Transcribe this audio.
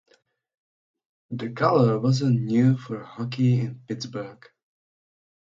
The color wasn't new for hockey in Pittsburgh.